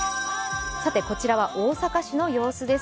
こちらは大阪市の様子です。